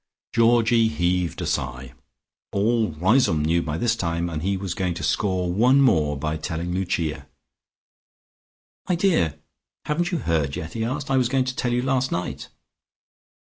Georgie heaved a sigh; all Riseholme knew by this time, and he was going to score one more by telling Lucia. "My dear, haven't you heard yet?" he asked. "I was going to tell you last night."